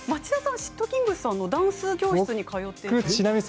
シットキングスさんのダンス教室に通っていたと。